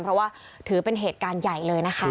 เพราะว่าถือเป็นเหตุการณ์ใหญ่เลยนะคะ